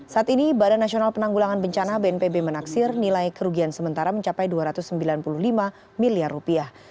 saat ini badan nasional penanggulangan bencana bnpb menaksir nilai kerugian sementara mencapai dua ratus sembilan puluh lima miliar rupiah